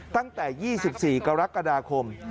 ตั้งแต่๒๔กรกฎาคม